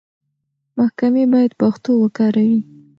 محکمې بايد پښتو وکاروي.